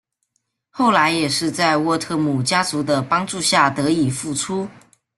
后来也是在沃特姆家族的帮助下得以复出。